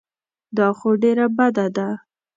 دا خو ډېره بده ده.